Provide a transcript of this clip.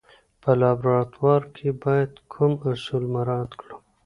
په لابراتوار کې باید کوم اصول مراعات کړو.